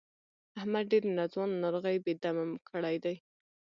احمد ډېرې ناځوانه ناروغۍ بې دمه کړی دی.